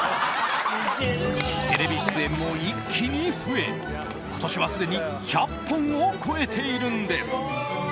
テレビ出演も一気に増え今年はすでに１００本を超えているんです。